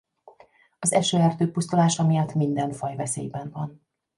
Az esőerdő pusztulása miatt minden faj veszélyben van.